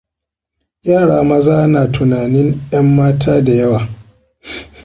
Yara maza na tunanin 'yanmata da yawa.